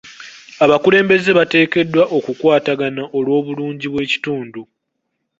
Abakulembeze bateekeddwa okukwatagana olw'obulungi bw'ekitundu.